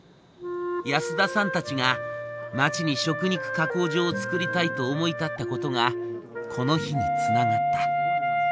安田さんたちが町に食肉加工場を作りたいと思い立ったことがこの日につながった。